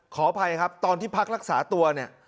ขออภัยครับตอนที่พักรักษาตัวเนี่ย